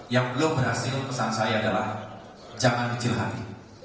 yang belum berhasil pesan saya adalah jangan kecil hati